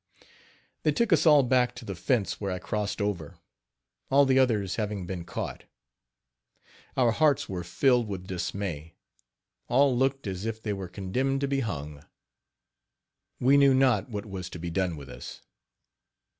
" They took us all back to the fence where I crossed over, all the others having been caught. Our hearts were filled with dismay. All looked as if they were condemned to be hung. We knew not what was to be done with us.